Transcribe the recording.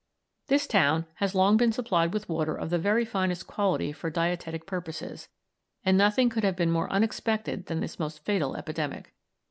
This town has long been supplied with water of the very finest quality for dietetic purposes, and nothing could have been more unexpected than this most fatal epidemic.